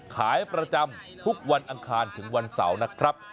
ขายประจำทุกวันอังคารถึงวันเสาร์นะครับ